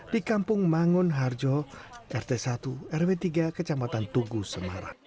di kampung mangun harjo rt satu rw tiga kecamatan tugu semarang